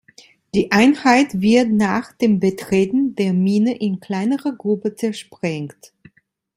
Die Einheit wird nach dem Betreten der Mine in kleinere Gruppen zersprengt.